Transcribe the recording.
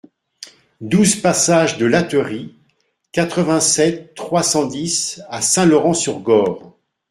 douze passage de Latterie, quatre-vingt-sept, trois cent dix à Saint-Laurent-sur-Gorre